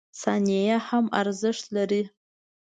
• ثانیه هم ارزښت لري.